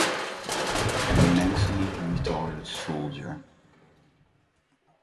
A mentally retarded soldier.